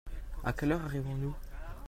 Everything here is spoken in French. À quelle heure arrivons-nous ?